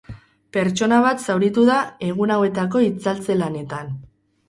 Pertsona bat zauritu da egun hauetako itzaltze-lanetan.